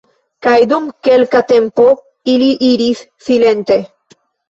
Kaj dum kelka tempo ili iris silente.